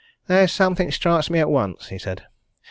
"There's something strikes me at once," he said.